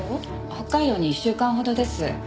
北海道に１週間ほどです。